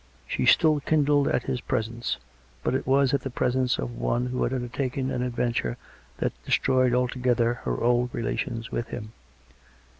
She still kindled at his presence; but it was at the presence of one who had undertaken an adventure that destroyed altogether her old relations with him.